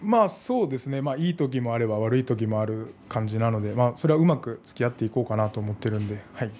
いい時もあれば悪い時がある状態なのでうまくつきあっていこうかなと思っているので。